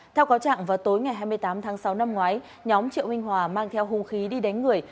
theo cáo trạng vào tối ngày hai mươi tám tháng sáu năm ngoái nhóm triệu minh hòa mang theo hung khí đi đánh người